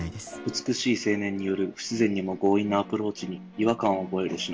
美しい青年による不自然にも強引なアプローチに違和感を覚える忍。